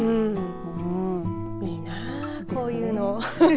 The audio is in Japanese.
いいな、こういうの。